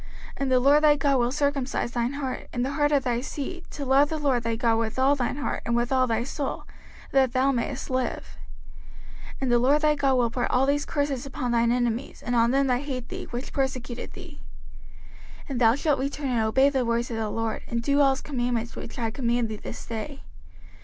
05:030:006 And the LORD thy God will circumcise thine heart, and the heart of thy seed, to love the LORD thy God with all thine heart, and with all thy soul, that thou mayest live. 05:030:007 And the LORD thy God will put all these curses upon thine enemies, and on them that hate thee, which persecuted thee. 05:030:008 And thou shalt return and obey the voice of the LORD, and do all his commandments which I command thee this day.